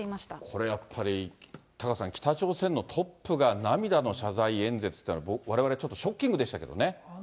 これやっぱり、タカさん、北朝鮮のトップが涙の謝罪演説というのは、われわれちょっとショッキングでしたけどね。